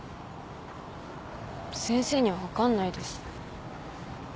先生には分かんないです。